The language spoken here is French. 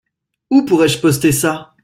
Où pourrais-je poster ça ?